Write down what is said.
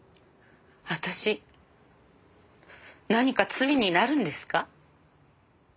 私何か罪になるんですか？